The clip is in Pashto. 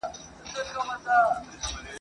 که خندا ده که ژړا ده په ریا ده !.